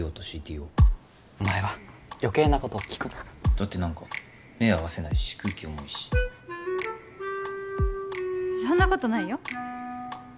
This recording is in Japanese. ＣＥＯとＣＴＯお前はよけいなことを聞くなだって何か目合わせないし空気重いしそんなことないよ